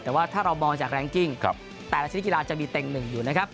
แต่ว่าถ้าเรามองจากแรงกิ้งแต่ละชนิดกีฬาจะมีเต็งหนึ่งอยู่นะครับ